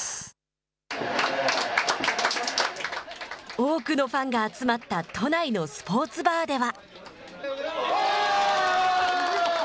多くのファンが集まった都内のスポーツバーでは。